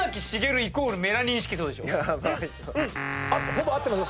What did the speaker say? ほぼ合ってます。